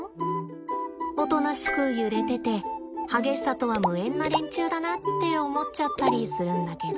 おとなしく揺れてて激しさとは無縁な連中だなって思っちゃったりするんだけど。